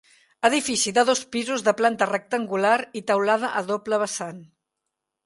Edifici de dos pisos de planta rectangular i teulada a doble vessant.